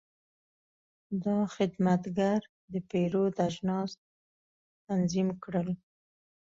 دا خدمتګر د پیرود اجناس تنظیم کړل.